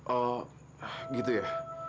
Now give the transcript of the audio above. oh gitu ya